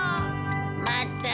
まったく。